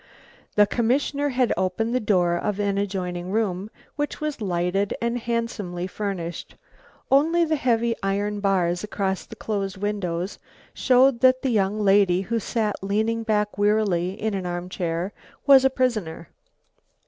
The commissioner had opened the door of an adjoining room, which was lighted and handsomely furnished. Only the heavy iron bars across the closed windows showed that the young lady who sat leaning back wearily in an arm chair was a prisoner.